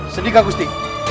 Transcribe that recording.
sedih kak gusti